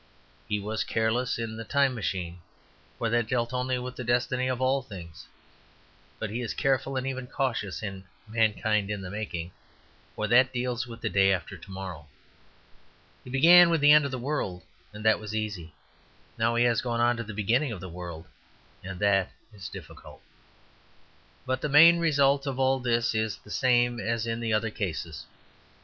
He was careless in "The Time Machine," for that dealt only with the destiny of all things; but he is careful, and even cautious, in "Mankind in the Making," for that deals with the day after to morrow. He began with the end of the world, and that was easy. Now he has gone on to the beginning of the world, and that is difficult. But the main result of all this is the same as in the other cases.